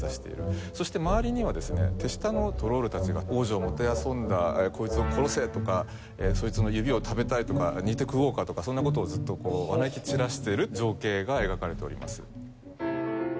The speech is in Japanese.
そして周りにはですね手下のトロールたちが「王女をもてあそんだこいつを殺せ！」とか「そいつの指を食べたい」とか「煮て食おうか」とかそんな事をずっとこうわめき散らしてる情景が描かれております。